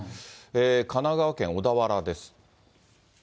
神奈川県小田原です。